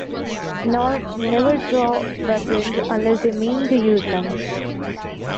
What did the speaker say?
Narn never draw weapons unless they mean to use them.